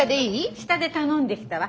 下で頼んできたわ。